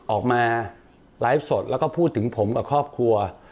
ออกมาไลฟ์สดแล้วก็พูดถึงผมกับครอบครัว